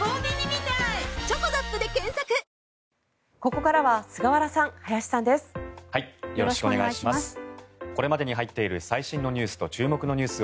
ここからは菅原さん、林さんです。